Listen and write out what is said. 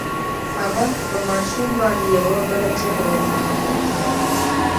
هغه په ماشومې باندې يوه بله چيغه وکړه.